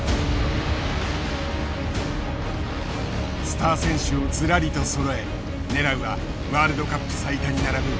スター選手をずらりとそろえ狙うはワールドカップ最多に並ぶ